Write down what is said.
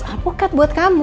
apokat buat kamu